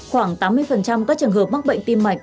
khoảng tám mươi các trường hợp mắc bệnh tim mạch